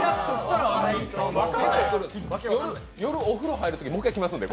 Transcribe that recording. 夜お風呂入るときもう一回きますんで。